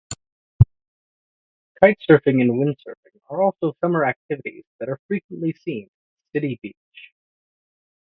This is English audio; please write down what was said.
Kitesurfing and windsurfing are also summer activities that are frequently seen at City Beach.